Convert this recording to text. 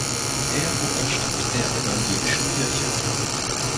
Er unterstand der evangelischen Kirche.